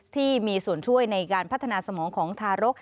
ที่มีส่วนช่วยในการพัฒนาสมองของทารก